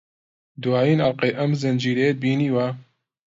دوایین ئەڵقەی ئەم زنجیرەیەت بینیوە؟